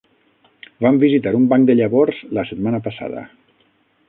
Vam visitar un banc de llavors la setmana passada.